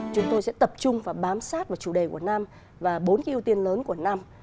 chúng tôi sẽ tập trung và bám sát vào chủ đề của năm và bốn cái ưu tiên lớn của năm